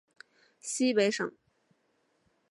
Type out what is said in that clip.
西北省